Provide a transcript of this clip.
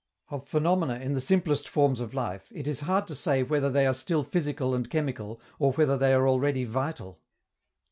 Of phenomena in the simplest forms of life, it is hard to say whether they are still physical and chemical or whether they are already vital.